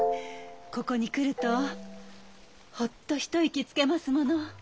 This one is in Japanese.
ここに来るとほっと一息つけますもの。